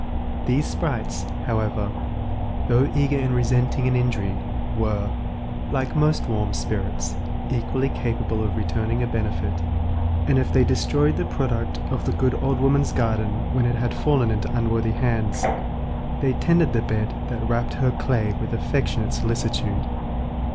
These sprites, however, though eager in resenting an injury, were, like most warm spirits, equally capable of returning a benefit, and if they destroyed the product of the good old woman's garden when it had fallen into unworthy hands, they tended the bed that wrapped her clay with affectionate solicitude.